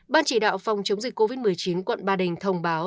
ban chỉ đạo phòng chống dịch covid một mươi chín quận ba đình thông báo